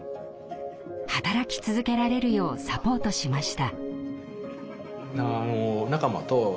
働き続けられるようサポートしました。